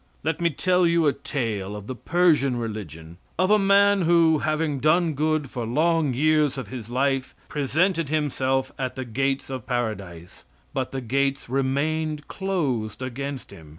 Let me tell you a tale of the Persian religion of a man who, having done good for long years of his life, presented himself at the gates of Paradise, but the gates remained closed against him.